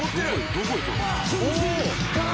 「どこ行くの？」